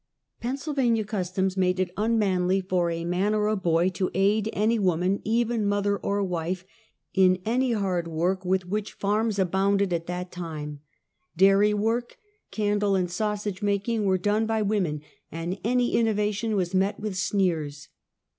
Pennsylvania customs made it unmanly for a man or boy to aid any woman, even mother or wife, in any hard work with wdiicli farms abounded at that time. Dairy work, candle and sausage making were done by women, and any innovation was met with [sneers.